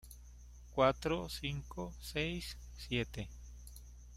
cuatro, cinco, seis, siete